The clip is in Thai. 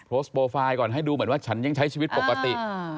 โพสต์โปรไฟล์ก่อนให้ดูเหมือนว่าฉันยังใช้ชีวิตปกติ